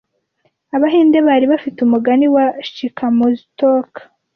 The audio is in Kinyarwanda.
"Abahinde bari bafite umugani wa Chicamoztoc ,